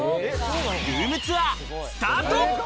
ルームツアースタート。